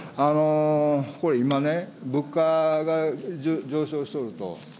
これ今ね、物価が上昇しておると。